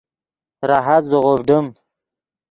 راحت زیغوڤڈیم